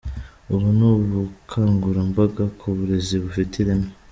Ubu ni ubukangurambaga ku burezi bufite ireme.